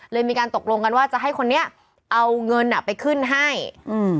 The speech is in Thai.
มีการตกลงกันว่าจะให้คนนี้เอาเงินอ่ะไปขึ้นให้อืม